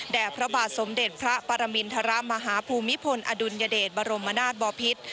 พระบาทสมเด็จพระปรมินทรมาฮภูมิพลอดุลยเดชบรมนาศบอพิษ